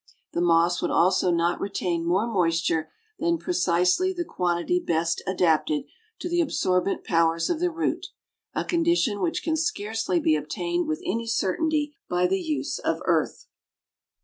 The moss would also not retain more moisture than precisely the quantity best adapted to the absorbent powers of the root a condition which can scarcely be obtained with any certainty by the use of earth.